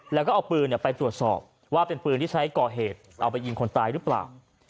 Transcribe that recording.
แล้วก็เอาปืนไปตรวจสอบว่าเป็นปืนที่ใช้ก่อเหตุเอาไปยิงคนตายหรือเปล่า